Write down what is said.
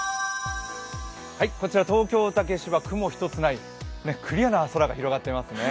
こちら東京・竹芝、雲一つないクリアに空が広がっていますね。